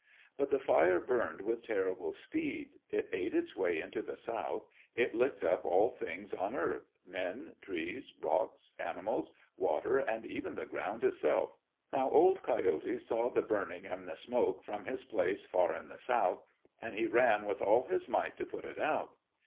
But the fire burned with terrible speed. It ate its way into the south. It licked up all things on earth, men, trees, rocks, animals, water, and even the ground itself. Now Old Coyote saw the burning and the smoke from his place far in the south, and he ran with all his might to put it out.